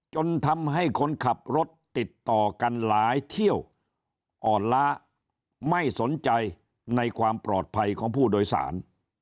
จนทำให้คนขับรถติดต่อกันหลายเที่ยวอ่อนล้าไม่สนใจในความปลอดภัยของผู้โดยสาร